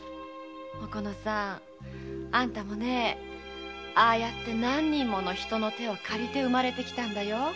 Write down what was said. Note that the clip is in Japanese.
おこのさんあんたもああやって何人もの手を借りて生まれてきたんだよ。